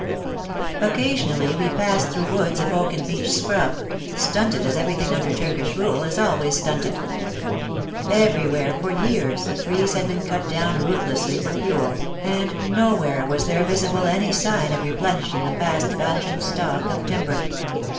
Oc casionally we passed through woods of oak and beech scrub, stunted, as everything under Turkish rule is always stunted. Everywhere for years, trees had been cut down ruthlessly for fuel, and nowhere was there visible any • c •»%>»»» J««» WAR AND WOMEN 85 sign of replenishing the fast vanishing stock of timber.